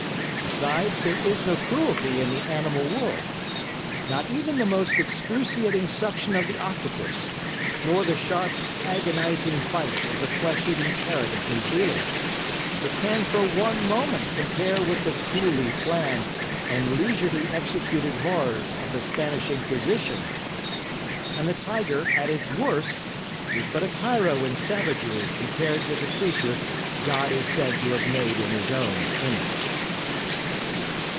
Besides, there is no cruelty in the animal world—not even the most excruciating suction of the octopus, nor the sharp, agonising bite of the flesh eating parrot of New Zealand—that can for one moment compare with the coolly planned and leisurely executed horrors of the Spanish Inquisition; and the tiger, at its worst, is but a tyro in savagery compared with the creature God is said to have made in His own image.